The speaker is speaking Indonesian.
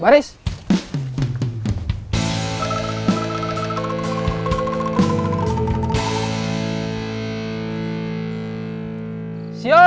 waris tunggu tunggu tunggu